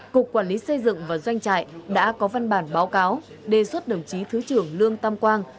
cục quản lý xây dựng và doanh trại đã có văn bản báo cáo đề xuất đồng chí thứ trưởng lương tam quang